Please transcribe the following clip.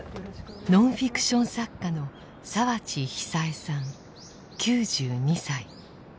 ノンフィクション作家の澤地久枝さん９２歳。